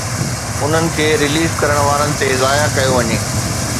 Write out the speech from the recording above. انهن کي ريليز ڪرڻ وارن تي ضايع ڪيو وڃي.